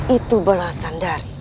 itu belasan dari